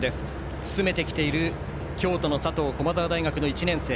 詰めてきている京都の佐藤駒沢大学１年生。